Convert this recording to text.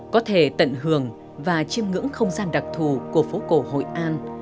có thể tận hưởng và chiêm ngưỡng không gian đặc thù của phố cổ hội an